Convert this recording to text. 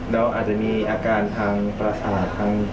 เราอาจจะมีอาการทางประสาท